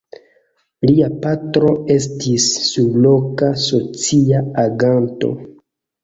Lia patro estis surloka socia aganto.